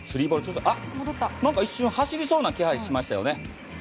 一瞬走りそうな気配しましたね。